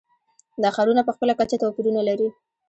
دا ښارونه په خپله کچه توپیرونه لري.